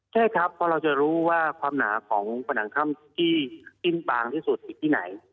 ใช่ครับเพราะเราจะรู้ว่าความหนาของผนังถ้ำที่สิ้นบางที่สุดอยู่ที่ไหน